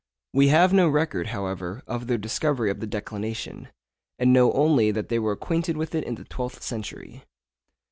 We have no record, however, of their discovery of the declination, and know only that they were acquainted with it in the twelfth century.